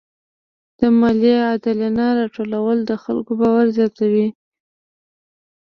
د مالیې عادلانه راټولول د خلکو باور زیاتوي.